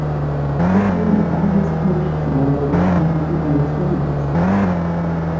Per tener a bass ils cuosts va el leu a spisa tier bunas famiglias.